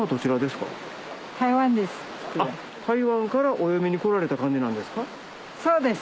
台湾からお嫁に来られた感じなんですか？